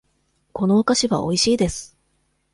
このお菓子はおいしいです。